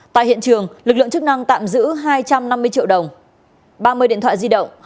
tại hiện trường lực lượng chức năng tạm giữ hai trăm năm mươi triệu đồng ba mươi điện thoại di động